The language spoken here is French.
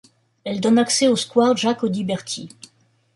Elle donne accès au square Jacques-Audiberti.